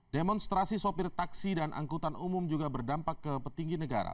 demonstrasi sopir taksi dan angkutan umum juga berdampak ke petinggi negara